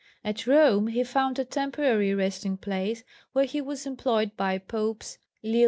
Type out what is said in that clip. At Rome he found a temporary resting place, where he was employed by Popes Leo X.